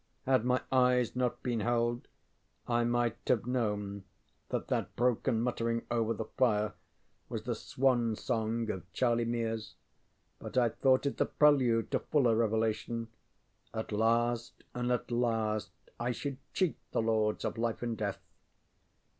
Had my eyes not been held I might have know that that broken muttering over the fire was the swan song of Charlie Mears. But I thought it the prelude to fuller revelation. At last and at last I should cheat the Lords of Life and Death!